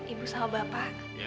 ibu sama bapak